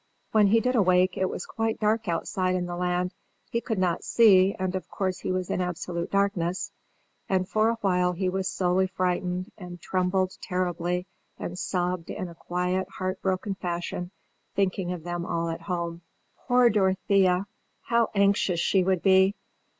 When he did awake, it was quite dark outside in the land; he could not see, and of course he was in absolute darkness; and for a while he was solely frightened, and trembled terribly, and sobbed in a quiet heart broken fashion, thinking of them all at home. Poor Dorothea! how anxious she would be!